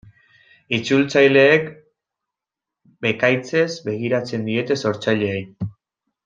Itzultzaileek bekaitzez begiratzen diete sortzaileei.